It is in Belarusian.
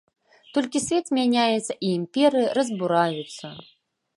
Толькі свет мяняецца і імперыі разбураюцца!